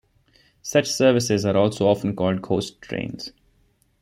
Such services are also often called "ghost trains".